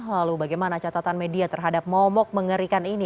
lalu bagaimana catatan media terhadap momok mengerikan ini